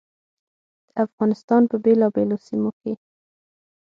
د افغانستان په بېلابېلو سیمو کې.